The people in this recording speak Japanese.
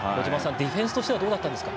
ディフェンスとしてはどうでしたか？